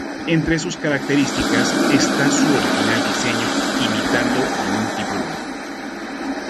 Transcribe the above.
Entre sus características está su original diseño, imitando a un tiburón.